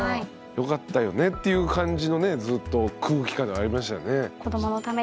よかったよねっていう感じのねずっと空気感がありましたよね。